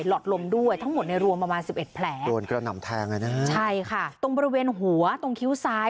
หอดลมด้วยทั้งหมดในรวมประมาณสิบเอ็ดแผลโดนกระหน่ำแทงเลยนะฮะใช่ค่ะตรงบริเวณหัวตรงคิ้วซ้าย